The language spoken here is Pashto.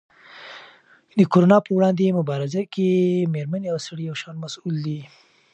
د کرونا په وړاندې مبارزه کې مېرمنې او سړي یو شان مسؤل دي.